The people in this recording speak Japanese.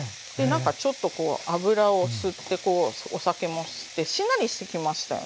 ちょっとこう脂を吸ってお酒も吸ってしんなりしてきましたよね。